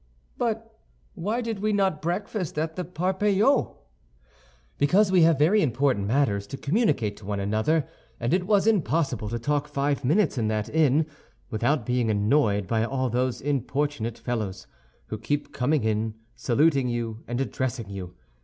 "But why did we not breakfast at the Parpaillot?" "Because we have very important matters to communicate to one another, and it was impossible to talk five minutes in that inn without being annoyed by all those importunate fellows, who keep coming in, saluting you, and addressing you.